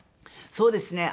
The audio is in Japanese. そうですね